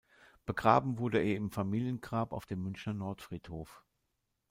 Begraben wurde er im Familiengrab auf dem Münchner Nordfriedhof.